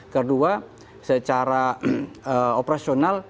kedua secara operasional